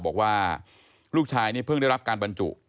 บอกว่าลูกชายนี่เพิ่งได้รับการบรรจุ